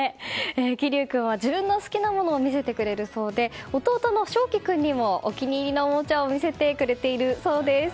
喜生君は自分の好きなものを見せてくれるそうで弟にもお気に入りのおもちゃを見せてくれているそうです。